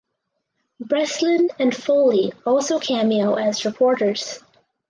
Breslin and Foley also cameo as reporters.